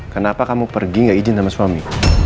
kenapa kamu pergi gak izin sama suami